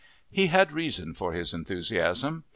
He had reason for his enthusiasm.